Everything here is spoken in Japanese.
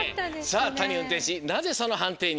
さあ谷うんてんしなぜそのはんていに？